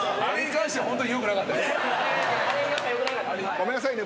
ごめんなさいね。